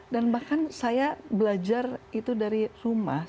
dan bahkan saya belajar itu dari rumah